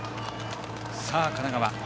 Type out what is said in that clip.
神奈川。